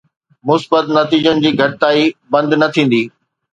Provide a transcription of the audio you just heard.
، مثبت نتيجن جي گهڻائي بند نه ٿيندي.